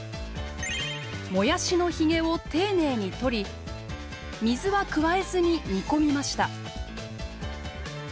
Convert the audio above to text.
もやしのヒゲを丁寧に取り水は加えずに煮込みました。